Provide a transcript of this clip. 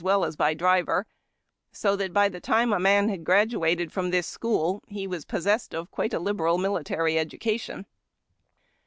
183 well as driver, so that by the time a man liad graduated from this school he was possessed of quite a liberal military education.